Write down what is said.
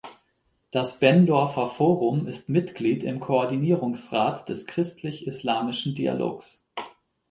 Das Bendorfer Forum ist Mitglied im Koordinierungsrat des christlich-islamischen Dialogs.